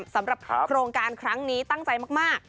สำหรับโครงการครั้งนี้ตั้งใจมาก